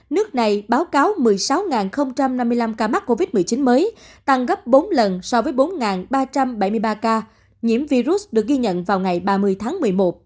nước này báo cáo một mươi sáu năm mươi năm ca mắc covid một mươi chín mới tăng gấp bốn lần so với bốn ba trăm bảy mươi ba ca nhiễm virus được ghi nhận vào ngày ba mươi tháng một mươi một